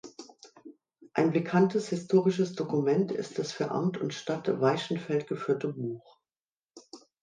Ein bekanntes historisches Dokument ist das für Amt und Stadt Waischenfeld geführte Buch.